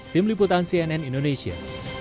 tim liputan cnn indonesia